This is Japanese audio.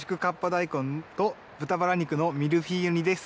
大根と豚バラ肉のミルフィーユ煮です。